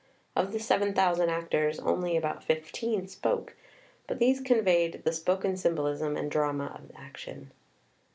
Of the seven thousand actors only about fifteen spoke, but these conveyed the spoken symbolism and drama of the action.